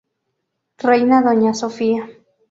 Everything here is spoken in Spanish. Reina Doña Sofia.